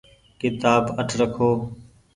ڪيتآب اٺ رکو ۔